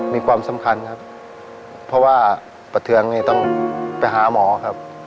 มีความสำคัญครับเพราะว่าประเทืองนี่ต้องไปหาหมอครับ